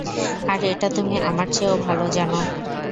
আর এটা তুমি আমার চেয়েও ভালো জানো।